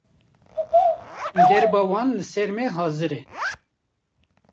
Derba wan li ser me hazir e